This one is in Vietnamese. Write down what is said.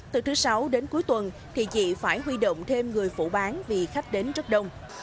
từ thứ sáu đến cuối tuần thì chị phải huy động thêm người phụ bán vì khách đến rất đông